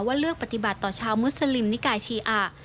เลือกปฏิบัติต่อชาวมุสลิมนิกาชีอา